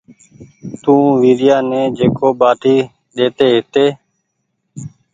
تو ويريآ ني جيڪو ٻآٽي ڏي تي هيتي